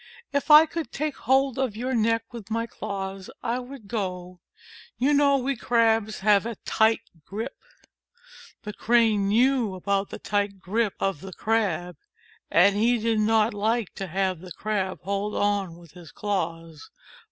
If I could take hold of your neck with my claws, I would go. You know we Crabs have a tight grip." The Crane knew about the tight grip of the Crabs, and he did not like to have the Crab hold on with his claws.